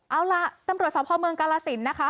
เอาล่ะตำรวจสพเมืองกาลสินนะคะ